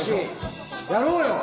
やろうよ！